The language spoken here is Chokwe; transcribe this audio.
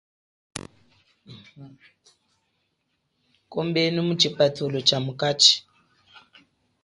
Kombenu mu chipathulo chamukachi.